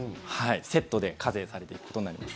セットで課税されていくことになります。